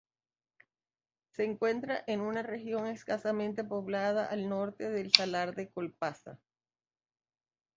Se encuentra en una región escasamente poblada al norte del salar de Coipasa.